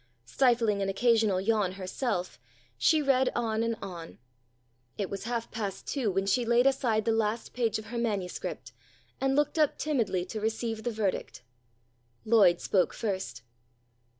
Stifling an occasional yawn herself, she read on and on. It was half past two when she laid aside the last page of her manuscript and looked up timidly to receive the verdict. Lloyd spoke first.